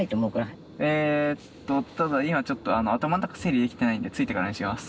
えっとただ今ちょっと頭の中整理できてないんで着いてからにします。